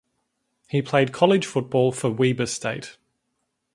He played college football for Weber State.